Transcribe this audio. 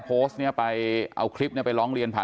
โลกไว้แล้วพี่ไข่โลกไว้แล้วพี่ไข่